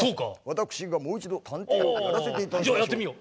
私がもう一度探偵をやらせていただきましょう。